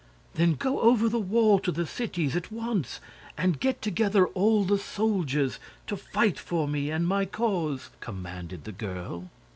"Then go over the wall to the cities, at once, and get together all the soldiers to fight for me and my cause," commanded the girl.